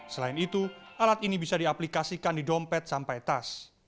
selain itu alat ini bisa diaplikasikan di dompet sampai tas